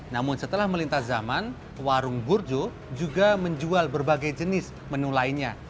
namun setelah melintas zaman warung burjo juga menjual berbagai jenis menu lainnya